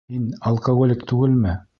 Һин... алкоголик түгелме?